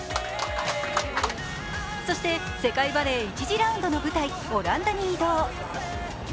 そして昨日、世界バレー１次ラウンドの舞台・オランダに移動。